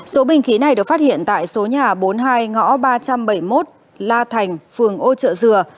số bình khí này được phát hiện tại số nhà bốn mươi hai ngõ ba trăm bảy mươi một la thành phường ô trợ dừa